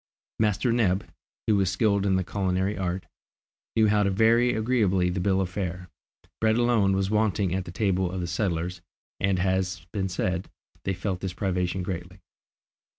Master Neb, who was skilled in the culinary art, knew how to vary agreeably the bill of fare. Bread alone was wanting at the table of the settlers, and as has been said, they felt this privation greatly.